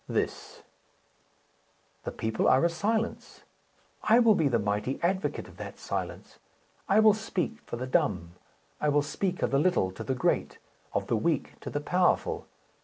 This: "The people are a silence. I will be the mighty advocate of that silence; I will speak for the dumb; I will speak of the little to the great of the weak to the powerful.